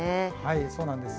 そうなんです。